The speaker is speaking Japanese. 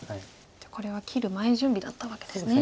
これは切る前準備だったわけですね。